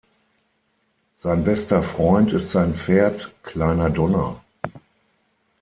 Sein bester Freund ist sein Pferd "Kleiner Donner".